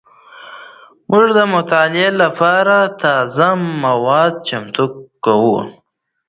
موږ د مطالعې لپاره تازه مواد چمتو کوو.